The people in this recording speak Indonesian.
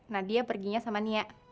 nadia perginya sama nia